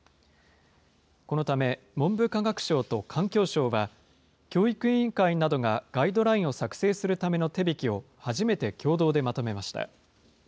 このため文部科学省と環境省は、教育委員会などがガイドラインを作成するための手引きを初めて共同でまとめました。